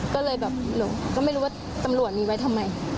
ก็เลยแบบหนูก็ไม่รู้ว่าตำรวจมีไว้ทำไม